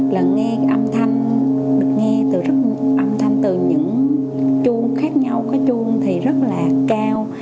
là nghe âm thanh được nghe từ rất âm thanh từ những chuông khác nhau có chuông thì rất là cao